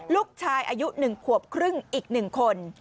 ลูกชายอายุ๑ขวบครึ่งอีก๑คน